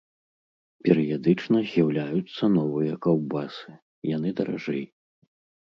Перыядычна з'яўляюцца новыя каўбасы, яны даражэй.